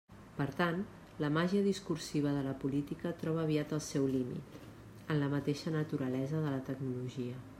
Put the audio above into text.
Per tant, la màgia discursiva de la política troba aviat el seu límit: en la mateixa naturalesa de la tecnologia.